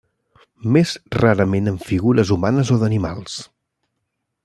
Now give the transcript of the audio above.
Més rarament amb figures humanes o d'animals.